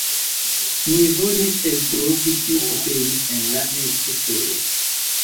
Mi volis eltrovi kiu suferis en la necesejo."